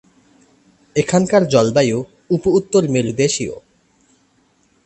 এখানকার জলবায়ু উপ-উত্তর মেরুদেশীয়।